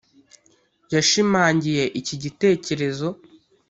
yashimangiye iki gitekerezo.